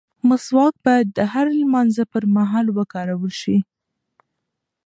مسواک باید د هر لمانځه پر مهال وکارول شي.